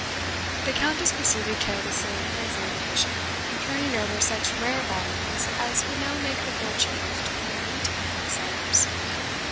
The Countess proceeded carelessly in her examination, turning over such rare volumes as would now make the fortune of twenty retail booksellers.